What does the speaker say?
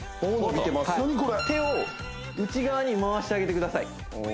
手を内側に回してあげてください